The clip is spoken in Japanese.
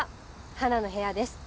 「花の部屋」です。